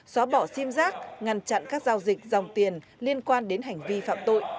xóa bỏ sim giác ngăn chặn các giao dịch dòng tiền liên quan đến hành vi phạm tội